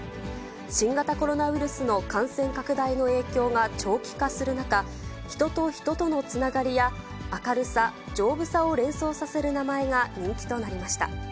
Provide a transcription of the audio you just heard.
新型コロナウイルスの感染拡大の影響が長期化する中、人と人とのつながりや、明るさ、丈夫さを連想させる名前が人気となりました。